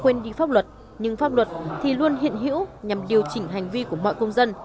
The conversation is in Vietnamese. có thể ta quên đi pháp luật nhưng pháp luật thì luôn hiện hữu nhằm điều chỉnh hành vi của mọi công dân